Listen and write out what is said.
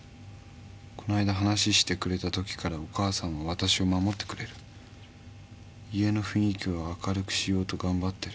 「このあいだ話してくれた時からお母さんは私を守ってくれる」「家の雰囲気を明るくしようとがんばってる」